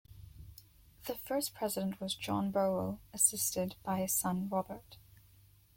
The first president was John Burwell, assisted by his son Robert.